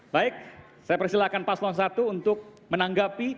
baik saya persilahkan paslon satu untuk menanggapi